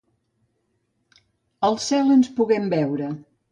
Al cel ens puguem veure.